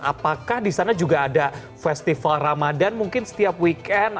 apakah di sana juga ada festival ramadan mungkin setiap weekend